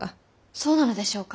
そうなのでしょうか。